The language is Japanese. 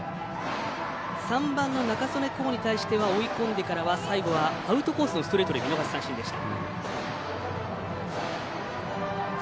３番の仲宗根皐に対しては追い込んでからは最後はアウトコースのストレートで見逃し三振でした。